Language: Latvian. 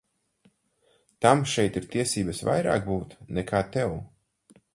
Tam šeit ir tiesības vairāk būt nekā tev.